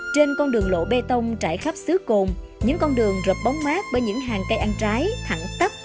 trên con đường lộ bê tông trải khắp xứ cồn những con đường rập bóng mát bởi những hàng cây ăn trái thẳng tắp